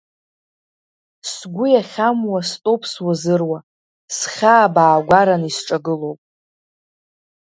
Сгәы иахьамуа стәоуп суазыруа, схьаа баагәаран исҿагылоуп…